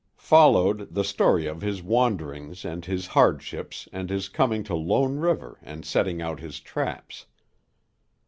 Followed the story of his wanderings and his hardships and his coming to Lone River and setting out his traps.